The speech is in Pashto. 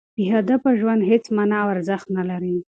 بې هدفه ژوند هېڅ مانا او ارزښت نه لري.